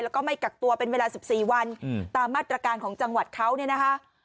แล้วก็ไม่กักตัวเป็นเวลา๑๔วันตามมาตรการของจังหวัดเขาเนี่ยนะคะ